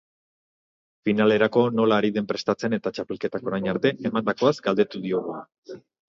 Finalerako nola ari den prestatzen eta txapelketak orain arte emandakoaz galdetuko diogu.